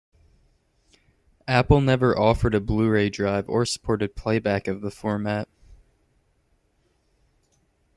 Apple never offered a Blu-Ray drive or supported playback of the format.